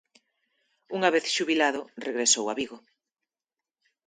Unha vez xubilado regresou a Vigo.